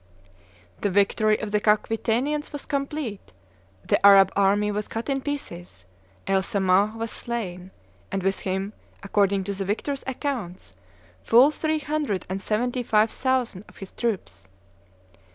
The victory of the Aquitanians was complete; the Arab army was cut in pieces; El Samah was slain, and with him, according to the victors' accounts, full three hundred and seventy five thousand of his troops.